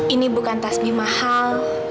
ini bukan tasbi mahal